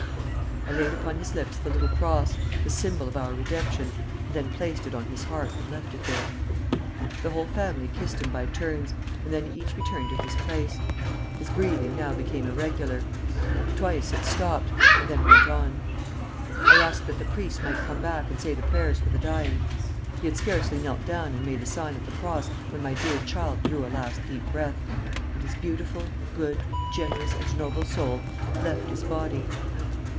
I laid upon his lips the little cross, the symbol of our redemption, and then placed it on his heart and left it there. The whole family kissed him by turns, and then each returned to his place.... His breathing now became irregular. Twice it stopped, and then went on. I asked that the priest might come back and say the prayers for the dying. He had scarcely knelt down and made the sign of the cross, when my dear child drew a last deep breath, and his beautiful, good, generous, and noble soul left his body....